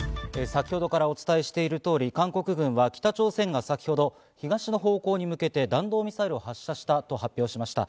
先程からお伝えしている通り、韓国軍は北朝鮮が先ほど東の方向に向けて弾道ミサイルを発射したと発表しました。